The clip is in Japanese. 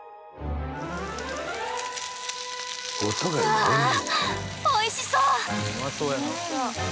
うわおいしそう！